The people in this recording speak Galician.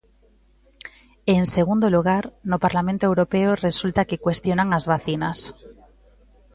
E, en segundo lugar, no Parlamento Europeo resulta que cuestionan as vacinas.